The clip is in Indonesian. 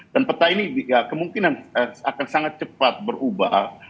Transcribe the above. dan peta ini kemungkinan akan sangat cepat berubah